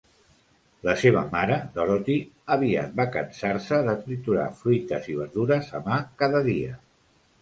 La seva mare Dorothy aviat va cansar-se de triturar fruites i verdures a mà cada dia.